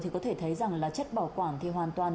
thì có thể thấy rằng là chất bảo quản thì hoàn toàn